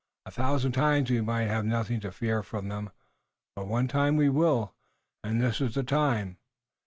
"A thousand times we might have nothing to fear from them, but one time we will, and this is the time.